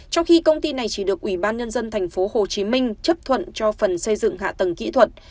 trong khi công ty này chỉ được ủy ban nhân dân tp hcm chấp thuận cho phần xây dựng hạ tầng kỹ thuật